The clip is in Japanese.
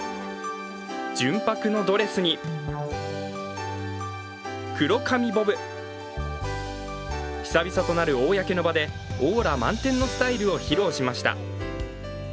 純白のドレスに黒髪ボブ久々となる公の場でオーラ満点のスタイルを披露しました。